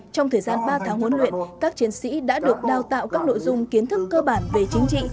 trong thời gian ba tháng huấn luyện các chiến sĩ đã được đào tạo các nội dung kiến thức cơ bản về chính trị